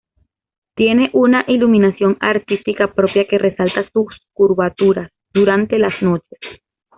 Tiene una iluminación artística propia que resalta sus curvaturas durante las noches.